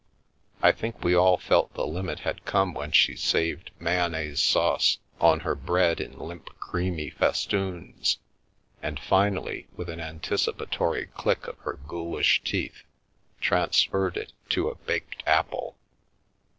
I think we all felt the limit had come when she saved mayonnaise sauce on her bread in limp creamy festoons, and finally, with an anticipatory click of her ghoulish teeth, transferred it to a baked apple.